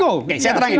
oke saya terangin